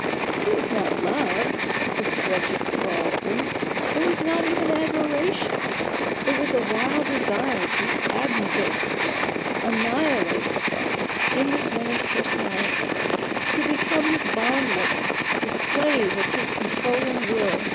It was not love, this wretched thraldom, it was not even admiration ; it was a wild desire to abnegate herself, annihilate herself, in this man's personality ; to become his bond woman, the slave of his controlling will.